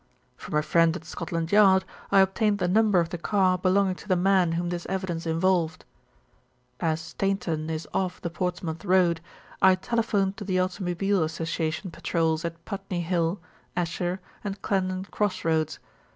"From a friend at Scotland Yard I obtained the number of the car belonging to the man whom this evidence involved. "As Stainton is off the Portsmouth Road, I telephoned to the Automobile Association patrols at Putney Hill, Esher, and Clandon Cross Roads.